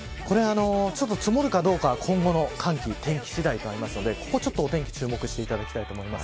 積もるかどうか今後の寒気天気次第となりますのでお天気、注目していただきたいと思います。